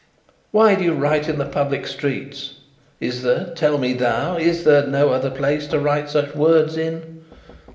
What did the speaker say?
"Why do you write in the public streets? Is there tell me thou is there no other place to write such words in?"